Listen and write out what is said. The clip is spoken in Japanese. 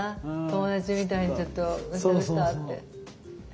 友達みたいにちょっとどうしたどうしたって。